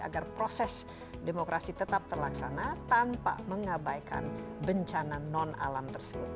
agar proses demokrasi tetap terlaksana tanpa mengabaikan bencana non alam tersebut